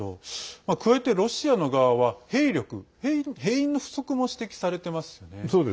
加えて、ロシアの側は兵力、兵員の不足も指摘されていますよね。